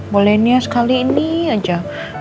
bolehnya sekali ini aja